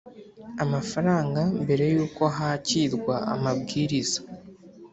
amafaranga mbere y uko hakirwa amabwiriza